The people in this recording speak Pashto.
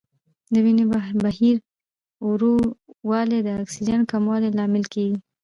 د وینې بهیر ورو والی د اکسیجن کموالي لامل کېږي.